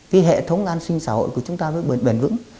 cái hệ thống an sinh xã hội của chúng ta nó bền vững